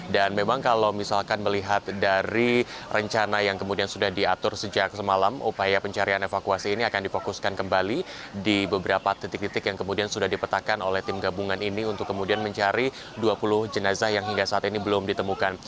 dan memang kalau misalkan melihat dari rencana yang kemudian sudah diatur sejak semalam upaya pencarian evakuasi ini akan difokuskan kembali di beberapa titik titik yang kemudian sudah dipetakan oleh tim gabungan ini untuk kemudian mencari dua puluh jenazah yang hingga saat ini belum ditemukan